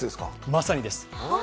まさにです。